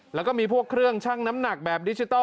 แล้วก็มีพวกเครื่องชั่งน้ำหนักแบบดิจิทัล